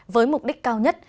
với mục đích cao nhất